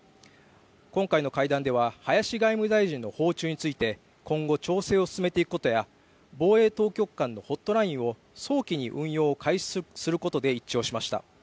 今回の会談では林外務大臣の訪中について今後、調整を進めていくことや防衛当局間のホットラインを早期に運用を開始することで一致をしました。